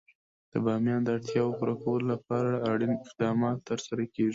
د بامیان د اړتیاوو پوره کولو لپاره اړین اقدامات ترسره کېږي.